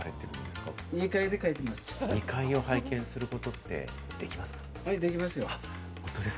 ２階を拝見することはできまできますよ。